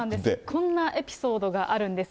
こんなエピソードがあるんです。